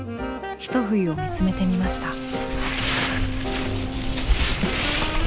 ひと冬を見つめてみました。